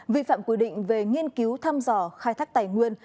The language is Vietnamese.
vi phạm quy định về nghiên cứu thăm dò khai thác tài nguyên